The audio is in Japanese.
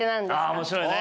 あ面白いね！